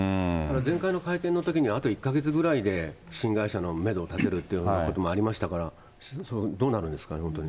前回の会見のときには、あと１か月ぐらいで新会社のメドを立てるっていうようなこともありましたから、どうなるんですかね、本当に。